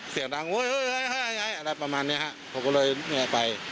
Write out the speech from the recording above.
เสียงดังโอ้ยอะไรประมาณนี้ครับผมก็เลยแง่ไป